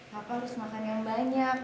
kakak harus makan yang banyak